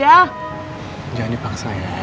jangan dipaksa ya